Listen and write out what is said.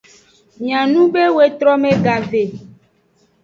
Mianube wetrome gave.